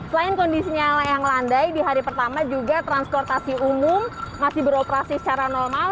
selain kondisinya yang landai di hari pertama juga transportasi umum masih beroperasi secara normal